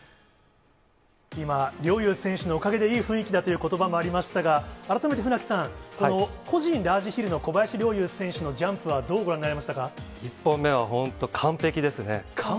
今、陵侑選手のおかげでいい雰囲気だということばもありましたが、改めて船木さん、この個人ラージヒルの小林陵侑選手のジャンプはどうご覧になりま１本目は本当、完璧ですね。